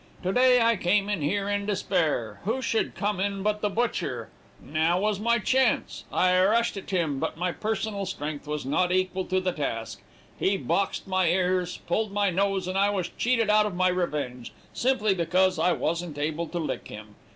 To day I came in here in despair; who should come in but the butcher; now was my chance; I rushed at him, but my personal strength was not equal to the task; he boxed my ears, pulled my nose, and I was cheated out of my revenge, simply because I wasn't able to lick him.